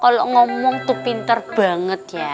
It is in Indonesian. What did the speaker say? kalau ngomong tuh pintar banget ya